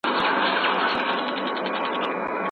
په خرڅلاو کي بايد عيبونه مشتري ته بيان سي.